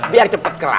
biar cepet kerah